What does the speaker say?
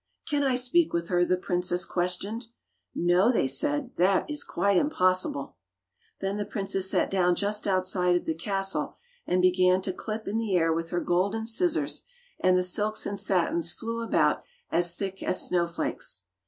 "Can I speak with her.?^" the princess questioned. "No," they said, "that is quite impossible. 137 Fairy Tale Bears Then the princess sat down just outside of the castle, and began to clip in the air with her golden scissors, and the silks and satins flew about as thick as snowflakes.